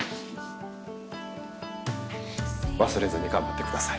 忘れずに頑張ってください。